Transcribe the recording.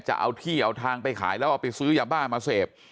จะเอาที่เอาทางไปขายแล้วเอาไปซื้อยาบ้ามาเสพ